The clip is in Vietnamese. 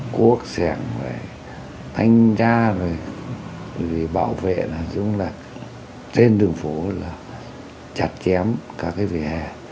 quốc xẻng thanh gia bảo vệ trên đường phố chặt chém các cái về hè